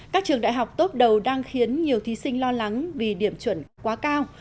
các trường đại học tốt đầu đang khiến nhiều thí sinh lo lắng vì điểm chuẩn quá cao